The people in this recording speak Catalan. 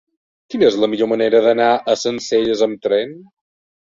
Quina és la millor manera d'anar a Sencelles amb tren?